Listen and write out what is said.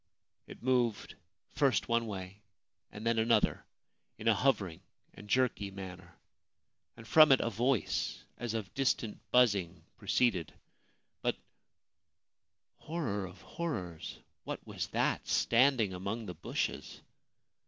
It moved first one way and then another, in a hovering and jerky manner, and from it a voice as of distant buzzing proceeded ; but — horror of horrors !— what was that standing among the bushes